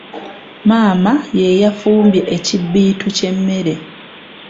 Maama ye yafumbye ekibbiitu ky’emmere.